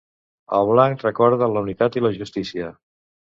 El blanc recorda la unitat i la justícia.